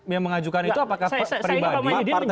yang mengajukan itu apakah pribadi partai